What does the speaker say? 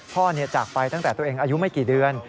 จากไปตั้งแต่ตัวเองอายุไม่กี่เดือน